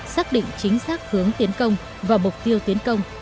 xác định chính xác hướng tiến công và mục tiêu tiến công